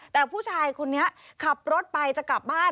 แต่ผู้ชายคนนี้ขับรถไปจะกลับบ้าน